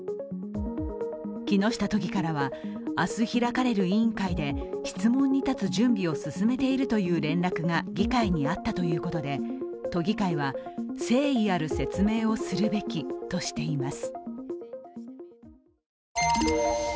木下都議からは明日開かれる委員会で質問に立つ準備を進めているという連絡が議会にあったということで都議会は、誠意ある説明をするべきとしています。